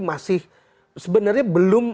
masih sebenarnya belum